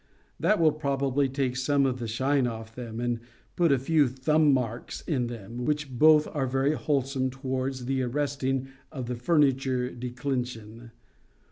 That will probably take some of the shine off them, and put a few thumb marks in them, which both are very wholesome towards the arresting of the furniture declension.